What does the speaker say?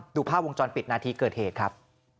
ภาพวงจรปิดนาทีเกิดเหตุครับ